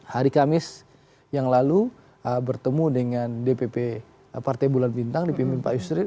hari kamis yang lalu bertemu dengan dpp partai bulan bintang dipimpin pak yusril